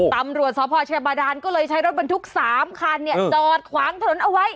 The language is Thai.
ตำรวจสพเชบาดานก็เลยใช้รถบรรทุก๓คันจอดขวางถนนเอาไว้